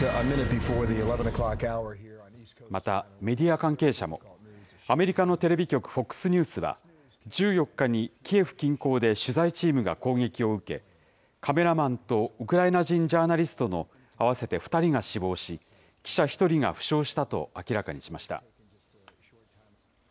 またメディア関係者も、アメリカのテレビ局、ＦＯＸニュースは、１４日にキエフ近郊で取材チームが攻撃を受け、カメラマンとウクライナ人ジャーナリストの合わせて二人が死亡し、記者１人が負傷したと明らかにしました。